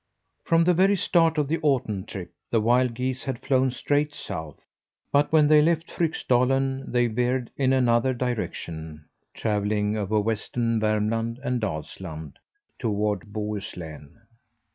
From the very start of the autumn trip the wild geese had flown straight south; but when they left Fryksdalen they veered in another direction, travelling over western Vermland and Dalsland, toward Bohuslän.